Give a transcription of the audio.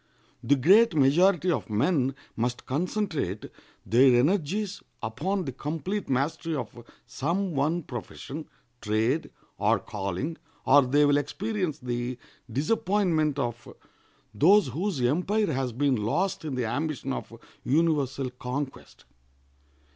The great majority of men must concentrate their energies upon the complete mastery of some one profession, trade, or calling, or they will experience the disappointment of those whose empire has been lost in the ambition of universal conquest.